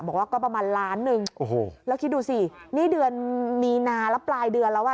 บอกว่าก็ประมาณล้านหนึ่งโอ้โหแล้วคิดดูสินี่เดือนมีนาแล้วปลายเดือนแล้วอ่ะ